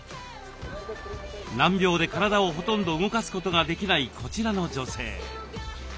難病で体をほとんど動かすことができないこちらの女性。